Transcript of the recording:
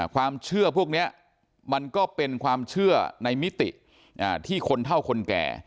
ความเชื่อพวกนี้มันก็เป็นความเชื่อในมิติที่คนเท่าคนแก่